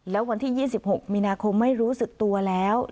แล้ววันที่๒๖มีนาคมไม่รู้สึกตัวแล้ว